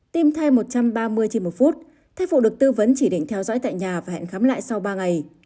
tìm thai một trăm ba mươi chi một phút thai phụ được tư vấn chỉ định theo dõi tại nhà và hẹn khám lại sau ba ngày